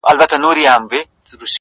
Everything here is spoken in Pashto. خوار ژاړي هغه خاوري زړه ژوندی غواړي”